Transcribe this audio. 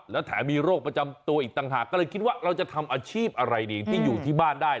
แล้วแถมมีโรคประจำตัวอีกต่างหากก็เลยคิดว่าเราจะทำอาชีพอะไรดีที่อยู่ที่บ้านได้